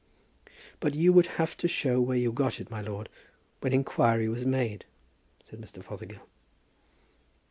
"But you would have to show where you got it, my lord, when inquiry was made," said Mr. Fothergill.